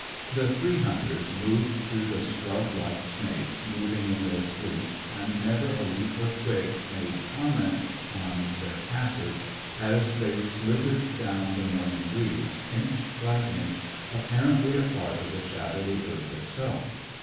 The three hunters advanced through the scrub like snakes moving in their sleep, and never a leaf or twig made comment on their passage, as they slithered down the morning breeze, inch by inch, apparently a part of the shadowy earth itself.